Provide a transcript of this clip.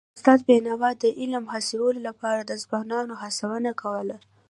استاد بينوا د علم حاصلولو لپاره د ځوانانو هڅونه کوله.